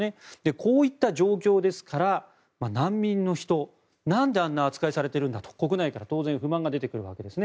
こういった状況ですから難民の人はなんであんな扱いをされているんだと国内から不満が出てくるわけですね。